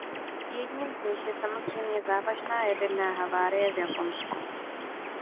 Jedním z nich je samozřejmě závažná jaderná havárie v Japonsku.